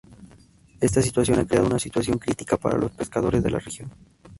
Esta situación ha creado una situación crítica para los pescadores de la región.